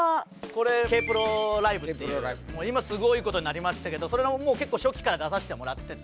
これＫ−ＰＲＯライブっていう今すごい事になりましたけどそれの結構初期から出させてもらってて。